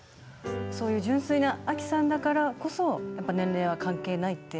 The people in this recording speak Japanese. そういう純粋なアキさんだからこそやっぱ年齢は関係ないって。